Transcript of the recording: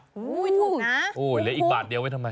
ถูกนะคุณคุณคุณทอนโอ้ยเลยอีกบาทเดียวไว้ทำไม